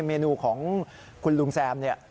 เมนูของคุณลุงแซม